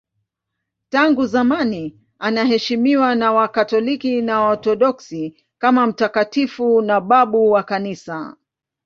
Tangu zamani anaheshimiwa na Wakatoliki na Waorthodoksi kama mtakatifu na babu wa Kanisa.